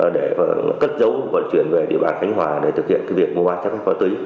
để cất dấu vận chuyển về địa bàn khánh hòa để thực hiện việc mua ma túy